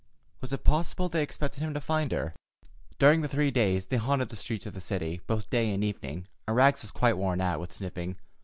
Was it possible they expected him to find her? During the three days, they haunted the streets of the city, both day and evening, and Rags was quite worn out with sniffing.